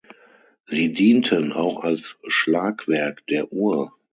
Sie dienten auch als Schlagwerk der Uhr.